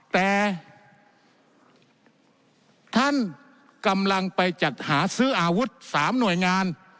แต่ท่านกำลังไปจัดหาซื้ออาวุธ๓หน่วยงาน